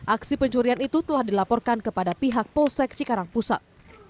aksi pencurian itu telah dilaporkan kepada pihak polsek cikarang pusat